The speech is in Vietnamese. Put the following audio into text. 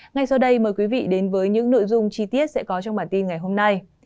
ngay sau đây mời quý vị đến với những nội dung chi tiết sẽ có trong bản tin ngày hôm nay